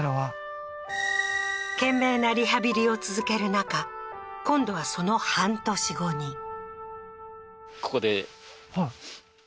懸命なリハビリを続ける中今度はその半年後にえっ？